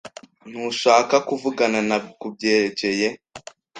Ntushaka kuvugana na kubyerekeye?